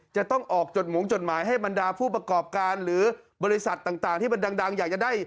จะต้องออกจดหงจดหมายให้บรรดาผู้ประกอบการหรือบริษัทต่างที่มันดังอยากจะได้